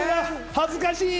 恥ずかしい！